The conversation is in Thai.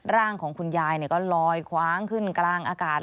ร่างของคุณยายก็ลอยคว้างขึ้นกลางอากาศ